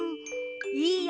いいよ！